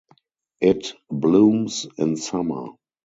It blooms in summer.